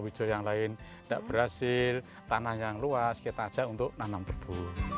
hijau yang lain tidak berhasil tanah yang luas kita ajak untuk nanam debu